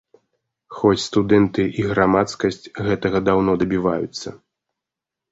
Хоць студэнты і грамадскасць гэтага даўно дабіваюцца.